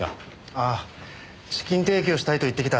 ああ資金提供したいと言ってきた会社の１つです。